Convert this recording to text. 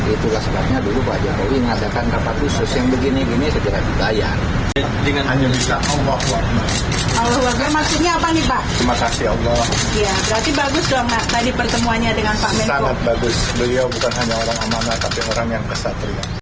itu sebabnya dulu pak jokowi mengajarkan rapat khusus yang begini gini setelah dibayar